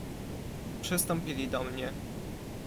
"Przystąpili do mnie."